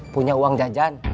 punya uang jajan